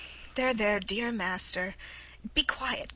IVANITCH. There, there, dear master! Be quiet